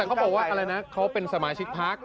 แต่เขาบอกว่าอะไรนะเขาเป็นสมาชิกพัก